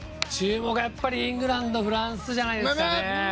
やっぱりイングランドとフランスじゃないでしょうかね。